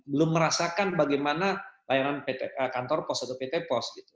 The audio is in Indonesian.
belum merasakan bagaimana layanan kantor pos atau pt pos